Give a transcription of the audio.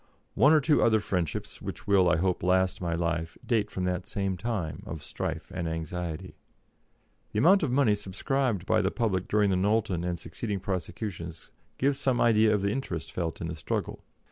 One or two other friendships which will, I hope, last my life, date from that same time of strife and anxiety. The amount of money subscribed by the public during the Knowlton and succeeding prosecutions gives some idea of the interest felt in the struggle.